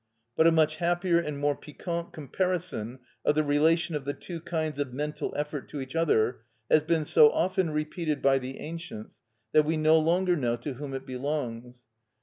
But a much happier and more piquant comparison of the relation of the two kinds of mental effort to each other has been so often repeated by the ancients that we no longer know to whom it belongs.